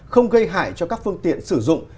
không gây hại cho các phương tiện sử dụng